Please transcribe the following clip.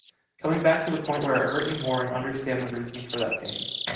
Coming back to the point where it hurt you more and understand the reasons for that pain.